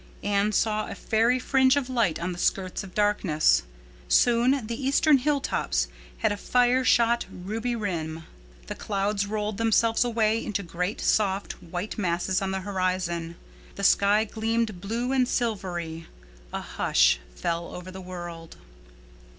Anne saw a fairy fringe of light on the skirts of darkness. Soon the eastern hilltops had a fire shot ruby rim. The clouds rolled themselves away into great, soft, white masses on the horizon; the sky gleamed blue and silvery. A hush fell over the world.